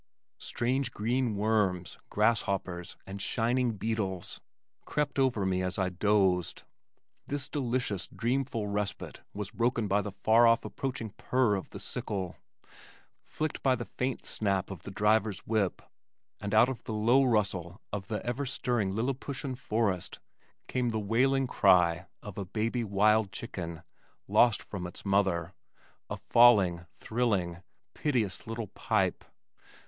Strange green worms, grasshoppers and shining beetles crept over me as I dozed. This delicious, dreamful respite was broken by the far off approaching purr of the sickle, flicked by the faint snap of the driver's whip, and out of the low rustle of the everstirring lilliputian forest came the wailing cry of a baby wild chicken lost from its mother a falling, thrilling, piteous little pipe.